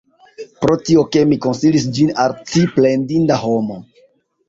Pro tio, ke mi konsilis ĝin al ci, plendinda homo!